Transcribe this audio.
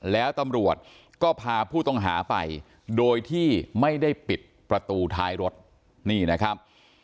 แล้วตำรวจก็พาผู้ต้องหาไปโดยที่ไม่ได้ปิดประตูท้ายรถนี่นะครับ